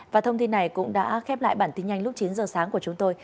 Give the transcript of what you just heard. và thông tin này cũng đã khép lại bản tin nhanh lúc chín giờ sáng của chúng tôi